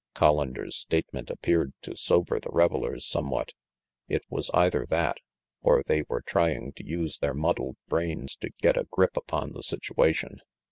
Collander's statement appeared to sober the revelers somewhat. It was either that, or they were trying to use their muddled brains to get a grip upon the situation.